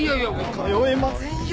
通えませんよ。